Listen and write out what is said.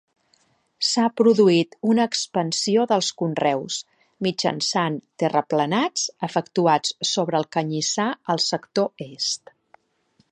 S'ha produït una expansió dels conreus, mitjançant terraplenats efectuats sobre el canyissar, al sector est.